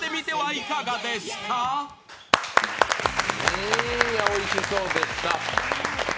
うーん、おいしそうでした。